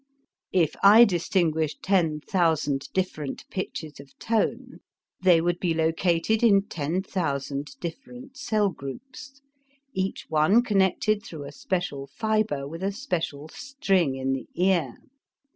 If I distinguish ten thousand different pitches of tone, they would be located in ten thousand different cell groups, each one connected through a special fiber with a special string in the ear.